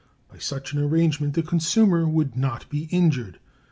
By such an arrangement the consumer would not be injured.